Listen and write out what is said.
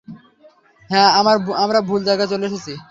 হ্যাঁ, আমরা ভুল জায়গায় চলে এসেছি!